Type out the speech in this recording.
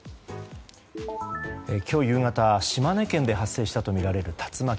今日夕方、島根県で発生したとみられる竜巻。